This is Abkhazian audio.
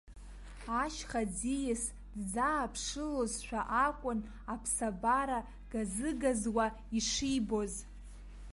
Ашьха ӡиас дӡааԥшылозшәа акәын аԥсабара газы-газуа ишибоз.